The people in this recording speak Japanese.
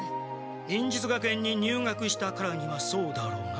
忍術学園に入学したからにはそうだろうな。